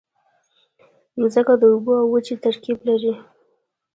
مځکه د اوبو او وچې ترکیب لري.